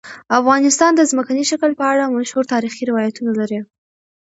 افغانستان د ځمکنی شکل په اړه مشهور تاریخی روایتونه لري.